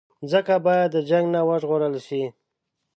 مځکه باید د جنګ نه وژغورل شي.